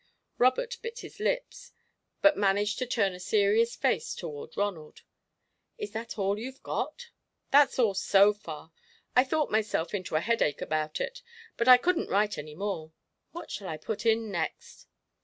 Robert bit his lips, but managed to turn a serious face toward Ronald. "Is that all you've got?" "That's all, so far. I thought myself into a headache about it, but I couldn't write any more. What shall I put in next?"